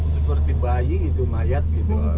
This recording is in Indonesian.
seperti bayi itu mayat gitu